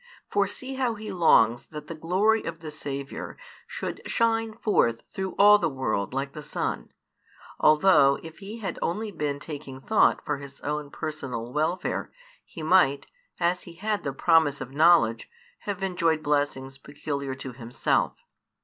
For see how he longs that the glory of the Saviour should shine forth through all the world like the sun, although if he had only been taking thought for his own personal welfare, he might, as he had the promise of knowledge, have enjoyed blessings peculiar to himself.